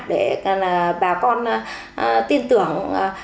để bà con tin tưởng